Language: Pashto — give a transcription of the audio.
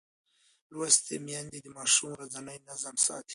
لوستې میندې د ماشوم ورځنی نظم ساتي.